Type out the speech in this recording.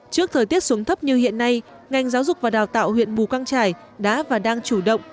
trước thời tiết xuống thấp như hiện nay ngành giáo dục và đào tạo huyện mù căng trải đã và đang chủ động